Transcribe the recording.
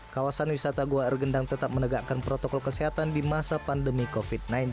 kawasan wisata gua ergendang tetap menegakkan protokol kesehatan di masa pandemi covid sembilan belas